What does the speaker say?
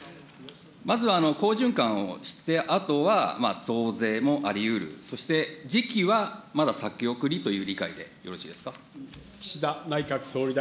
まずは好循環をしてあとは増税もありうる、そして、時期はまだ先送りという理解でよろしいですか。